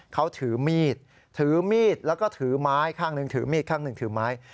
เขาถือมีดถือมีดแล้วก็ถือไม้ข้างหนึ่งถือมีดข้างหนึ่งถือไม้